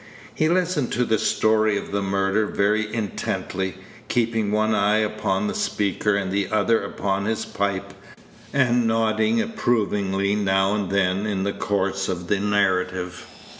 He listened to the story of the murder very intently, keeping one eye upon the speaker and the other upon his pipe, and nodding approvingly now and then in the course of the narrative.